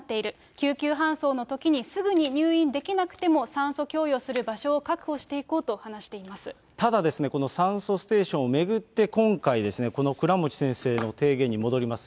救急搬送のときに、すぐに入院できなくても酸素供与する場所を確保していこうと話しただですね、この酸素ステーションを巡って、今回、この倉持先生の提言に戻ります。